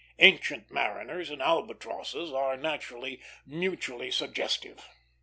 Ancient mariners and albatrosses are naturally mutually suggestive.